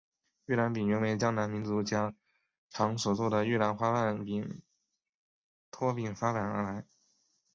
玉兰饼原由江南民间家常所做的玉兰花瓣面拖饼发展而来。